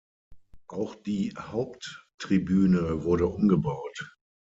Auch die Haupttribüne wurde umgebaut.